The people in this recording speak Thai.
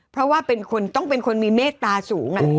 เพราะว่าเป็นคนต้องเป็นคนมีเมตตาสูง